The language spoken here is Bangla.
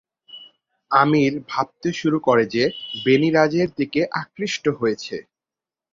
আমির ভাবতে শুরু করে যে বেনি রাজের দিকে আকৃষ্ট হয়েছে।